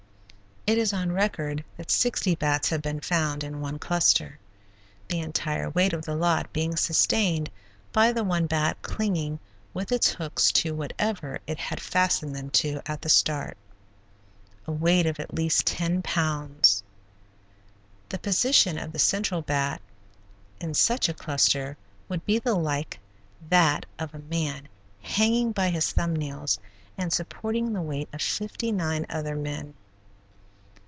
It is on record that sixty bats have been found in one cluster, the entire weight of the lot being sustained by the one bat clinging with its hooks to whatever it had fastened them to at the start a weight of at least ten pounds. The position of the central bat in such a cluster would be like that of a man hanging by his thumb nails and supporting the weight of fifty nine other men.